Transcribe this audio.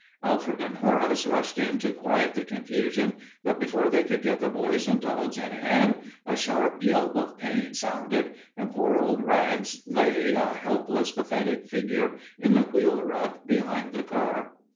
Alfred and Horace rushed in to quiet the confusion, but before they could get the boys and dogs in hand a sharp yelp of pain sounded and poor old Rags lay, a helpless, pathetic figure, in the wheel rut behind the car.